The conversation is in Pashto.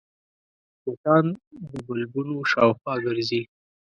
مچان د بلبونو شاوخوا ګرځي